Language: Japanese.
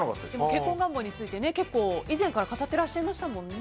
結婚願望について以前から語っていらっしゃいましたもんね。